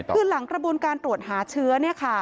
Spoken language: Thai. คือหลังกระบวนการตรวจหาเชื้อ